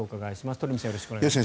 鳥海さんよろしくお願いします。